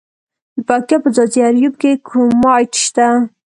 د پکتیا په ځاځي اریوب کې کرومایټ شته.